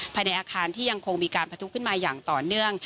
ภายในอาคารที่ยังคงมีการประทุขึ้นมาอย่างต่อเนื่อง